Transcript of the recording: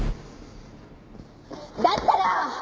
だったら！